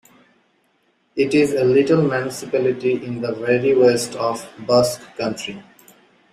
It is a little municipality in the very west of Basque Country.